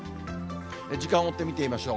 時間を追って見てみましょう。